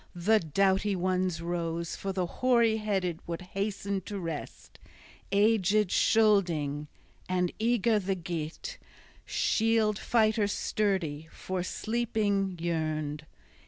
The doughty ones rose: for the hoary headed would hasten to rest, aged Scylding; and eager the Geat, shield fighter sturdy, for sleeping yearned.